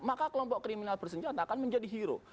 maka kelompok kriminal bersenjata akan menjadi hero